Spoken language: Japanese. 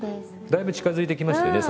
だいぶ近づいてきましたよね